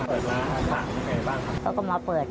เปิดร้านอาหารศักดิ์เป็นอย่างไรบ้างครับ